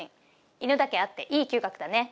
犬だけあっていい嗅覚だね